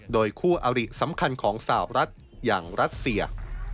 โดยคู่อริสำคัญของสาวรัฐอย่างรัสเซีย